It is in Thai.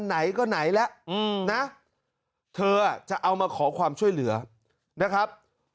ไหนก็ไหนแล้วนะเธอจะเอามาขอความช่วยเหลือนะครับ